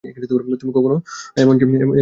তুমি কখনও এমন ছিলে না।